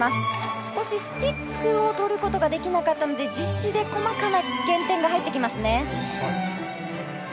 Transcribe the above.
少しスティックを取ることができなかったので実施で細かな減点が入ってきます。